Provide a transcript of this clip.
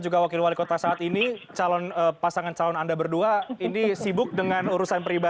juga wakil wali kota saat ini calon pasangan calon anda berdua ini sibuk dengan urusan perhubungan yang terjadi di depok